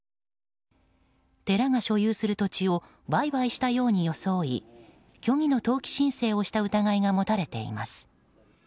寺が所有する土地を売買したように装い虚偽の登記申請をした疑いが持たれています。